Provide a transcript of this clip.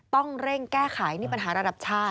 ต้องเร่งแก้ไขนี่ปัญหาระดับชาติ